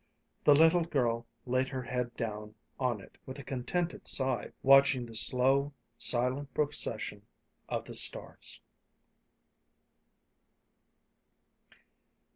The little girl laid her head down on it with a contented sigh, watching the slow, silent procession of the stars.